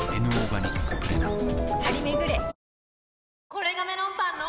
これがメロンパンの！